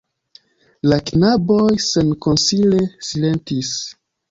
La knaboj senkonsile silentis.